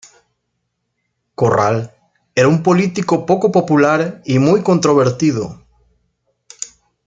Corral era un político poco popular y muy controvertido.